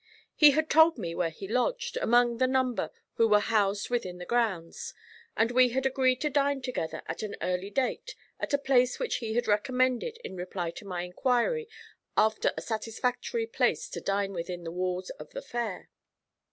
He had told me where he lodged, among the number who were housed within the grounds; and we had agreed to dine together at an early date at a place which he had recommended in reply to my inquiry after a satisfactory place to dine within the walls of the Fair.